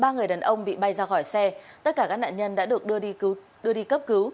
ba người đàn ông bị bay ra khỏi xe tất cả các nạn nhân đã được đưa đi cấp cứu